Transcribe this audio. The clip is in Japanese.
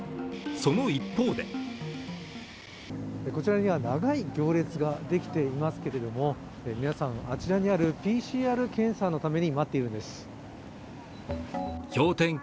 その一方でこちらには長い行列ができていますけれども、皆さん、あちらにあるＰＣＲ検査のために待っているんです氷点下